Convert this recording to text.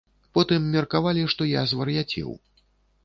Потым меркавалі, што я звар'яцеў.